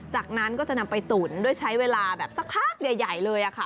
จากนั้นก็จะนำไปตุ๋นด้วยใช้เวลาแบบสักพักใหญ่เลยค่ะ